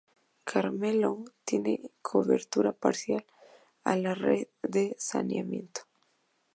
Carmelo tiene cobertura parcial a la red de saneamiento.